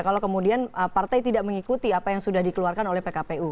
kalau kemudian partai tidak mengikuti apa yang sudah dikeluarkan oleh pkpu